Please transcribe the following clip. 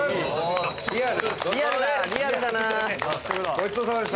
ごちそうさまです！